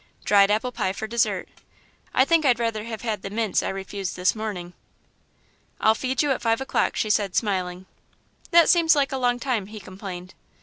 Dried apple pie for dessert I think I'd rather have had the mince I refused this morning." "I'll feed you at five o'clock," she said, smiling. "That seems like a long time," he complained.